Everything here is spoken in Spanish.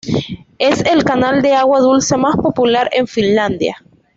Es el canal de agua dulce más popular en Finlandia.